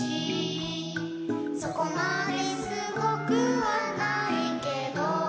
「そこまですごくはないけど」